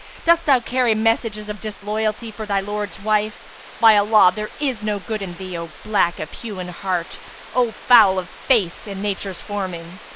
Dost thou carry messages of disloyalty for thy lord's wife? By Allah, there is no good in thee, O black of hue and heart, O foul of face and Nature's forming!"